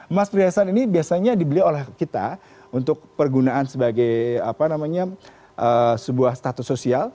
emas perhiasan ini biasanya dibeli oleh kita untuk pergunaan sebagai sebuah status sosial